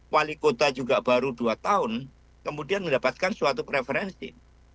wali kota juga baru dua tahun kemudian mendapatkan suatu preferensi